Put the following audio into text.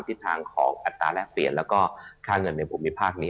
ทิศทางของอัตราแรกเปลี่ยนแล้วก็ค่าเงินในภูมิภาคนี้